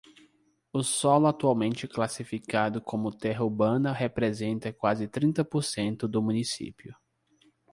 O solo atualmente classificado como terra urbana representa quase trinta por cento do município.